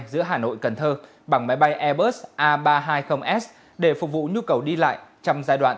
giữa hà nội cần thơ bằng máy bay airbus a ba trăm hai mươi s để phục vụ nhu cầu đi lại trong giai đoạn